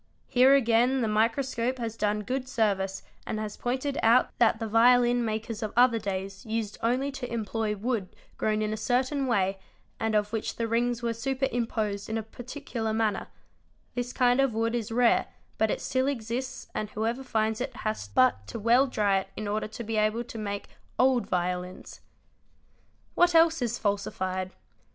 Here again the micros cope has done good service and has pointed out that the violin makers of other days used only to employ wood grown in a certain way and of which the rings were superimposed in a particular manner ; this kind of wood is rare but it still exists and whoever finds it has but to well dry it in order to be able to make "old'' violins "2071210, What else is falsified?